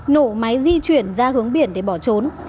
nổ máy di chuyển ra hướng biển để bỏ trốn